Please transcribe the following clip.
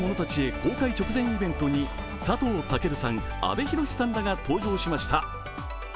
公開直前イベントに佐藤健さん、阿部寛さんらが登場しました。